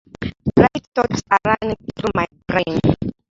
Bright thoughts are running through my brain.